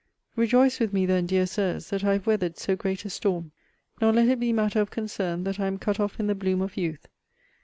Rejoice with me, then, dear Sirs, that I have weathered so great a storm. Nor let it be matter of concern, that I am cut off in the bloom of youth.